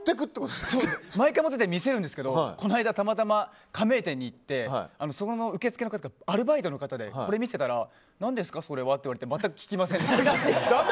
毎回見せるんですがこの間たまたま加盟店に行ってそこの受付がアルバイトの方でこれを見せたら何ですか、それはって言われて全く効きませんでした。